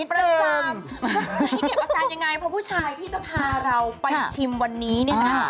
ประจำพี่เก็บอาการยังไงเพราะผู้ชายที่จะพาเราไปชิมวันนี้เนี่ยนะ